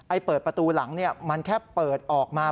เปิดประตูหลังมันแค่เปิดออกมา